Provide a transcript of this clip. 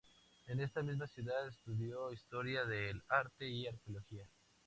En esta misma ciudad estudió Historia del Arte y Arqueología.